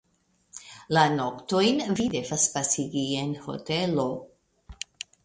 La noktojn vi devas pasigi en hotelo.